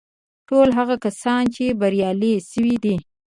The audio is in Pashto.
ټول هغه کسان چې بريالي شوي دي.